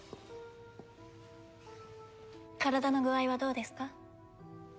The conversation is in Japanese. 体の具合はどうですか？